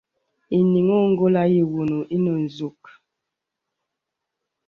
Enīŋ óngolə̀ ewone ìnə nzûg.